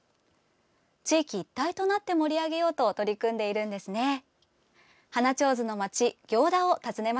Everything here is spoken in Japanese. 地域一体となって盛り上げようと取り組んでいるんですね。